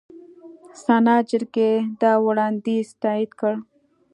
سنا جرګې دا وړاندیز تایید کړ.